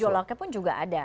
gejolaknya pun juga ada